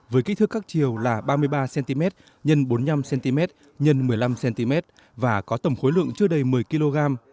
với kích thước các chiều là ba mươi ba cm x bốn mươi năm cm x một mươi năm cm và có tầm khối lượng chưa đầy một mươi kg